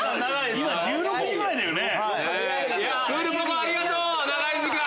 今１６時ぐらいだよね。